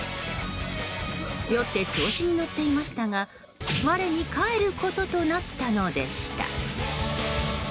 酔って調子に乗っていましたが我に返ることとなったのでした。